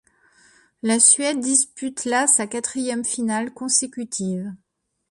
La Suède dispute là sa quatrième finale consécutive.